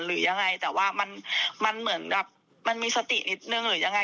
หรือยังไงแต่ว่ามันเหมือนแบบมันมีสตินิดนึงหรือยังไง